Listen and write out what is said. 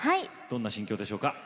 どんな心境でしょうか？